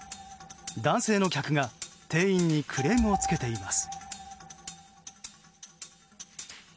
男性の客が店員にクレームをつけています。